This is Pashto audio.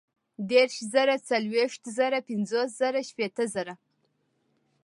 دېرش زره ، څلوېښت زره ، پنځوس زره ، شپېته زره